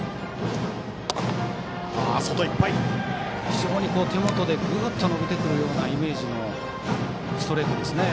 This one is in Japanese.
非常に手元でぐっと伸びてくるイメージのストレートですね。